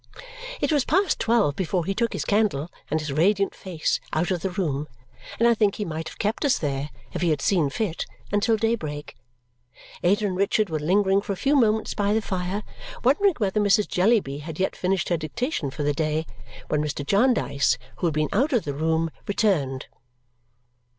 It was past twelve before he took his candle and his radiant face out of the room, and I think he might have kept us there, if he had seen fit, until daybreak. Ada and Richard were lingering for a few moments by the fire, wondering whether Mrs. Jellyby had yet finished her dictation for the day, when Mr. Jarndyce, who had been out of the room, returned.